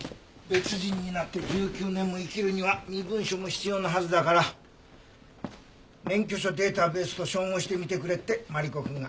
別人になって１９年も生きるには身分証も必要なはずだから免許証データベースと照合してみてくれってマリコくんが。